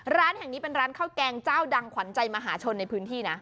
ร้านแห่งนี้เป็นร้านข้าวแกงเจ้าดังขวัญใจมหาชนในพื้นที่นะ